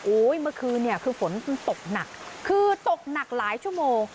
เมื่อคืนเนี่ยคือฝนมันตกหนักคือตกหนักหลายชั่วโมง